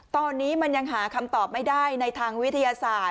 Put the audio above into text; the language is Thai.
ตอนนี้มันยังหาคำตอบไม่ได้ในทางวิทยาศาสตร์